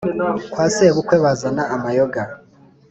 kwa sebukwe bazana amayoga.